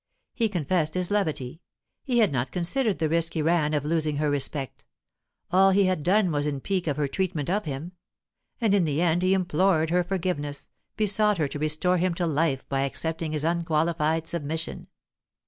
He confessed his levity; he had not considered the risk he ran of losing her respect; all he had done was in pique at her treatment of him. And in the end he implored her forgiveness, besought her to restore him to life by accepting his unqualified submission.